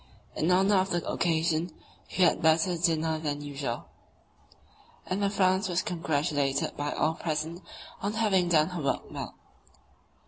In honour of the occasion we had a better dinner than usual, and the Franz was congratulated by all present on having done her work well.